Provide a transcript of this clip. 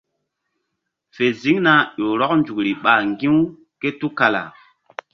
Fe ziŋna ƴo rɔk nzukri ɓa ŋgi̧ u tukala.